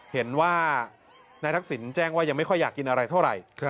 เห็นว่านายทักษิณแจ้งว่ายังไม่ค่อยอยากกินอะไรเท่าไหร่